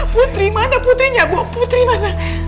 putri mana putrinya putri mana